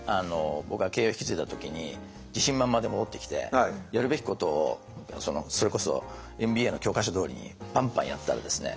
僕は経営を引き継いだ時に自信満々で戻ってきてやるべきことをそれこそＭＢＡの教科書どおりにパンパンやったらですね